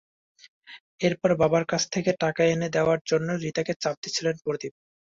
এরপর বাবার কাছ থেকে টাকা এনে দেওয়ার জন্য রিতাকে চাপ দিচ্ছিলেন প্রদীপ।